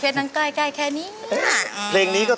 สวัสดีครับ